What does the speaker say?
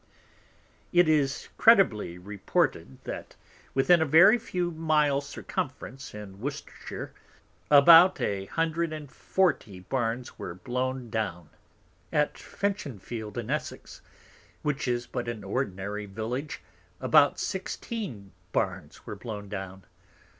It is credibly reported, that within a very few Miles Circumference in Worcestershire, about an hundred and forty Barns are blown down. At Finchinfield in Essex, which is but an ordinary Village, about sixteen Barns were blown down.